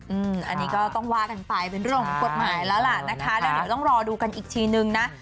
อันนี้ก็ต้องว่ากันไปเป็นเรื่องของกฎหมายแล้วล่ะนะคะแล้วเดี๋ยวต้องรอดูกันอีกทีนึงนะ